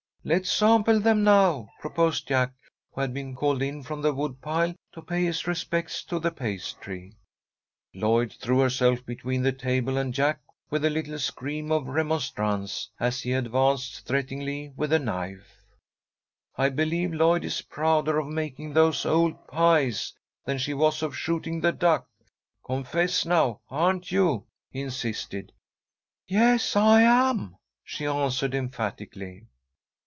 "Let's sample them now," proposed Jack, who had been called in from the wood pile to pay his respects to the pastry. Lloyd threw herself between the table and Jack with a little scream of remonstrance, as he advanced threateningly with a knife. "I believe Lloyd is prouder of making those old pies than she was of shooting the duck. Confess, now, aren't you?" he insisted. "Yes, I am," she answered, emphatically.